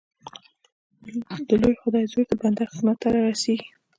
د لوی خدای زور د بنده خدمت ته را رسېږي.